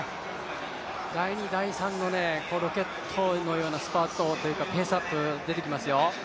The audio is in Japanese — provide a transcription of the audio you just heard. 第２、第３のロケットのようなスパートペースアップが出てきますよ。